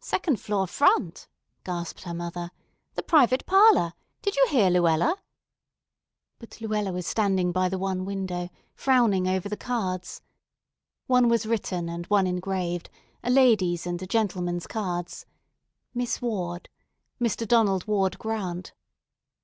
"Second floor, front," gasped her mother. "The private parlor! Did you hear, Luella?" But Luella was standing by the one window, frowning over the cards. One was written and one engraved, a lady's and a gentleman's cards. "Miss Ward." "Mr. Donald Ward Grant."